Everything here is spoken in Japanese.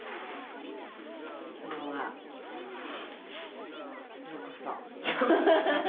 今日はようこそ。